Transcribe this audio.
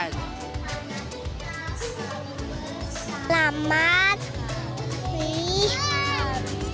selamat hari down syndrome